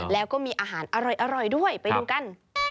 แล้วก็มีอาหารอร่อยด้วยไปดูกัน